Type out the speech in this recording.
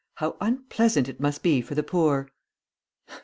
"How unpleasant it must be for the poor."